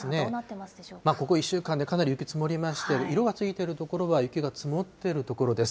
ここ１週間でかなり雪積もりまして、色がついている所は、雪が積もっている所です。